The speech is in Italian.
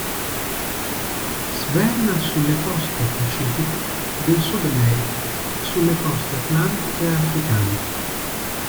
Sverna sulle coste Pacifiche del Sudamerica e sulle coste Atlantiche africane.